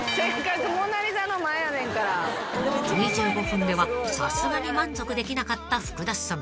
［２５分ではさすがに満足できなかった福田さん］